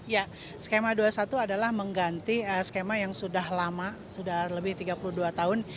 ya skema dua puluh satu adalah mengganti skema yang sudah lama sudah lebih tiga puluh dua tahun